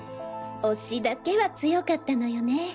押しだけは強かったのよね。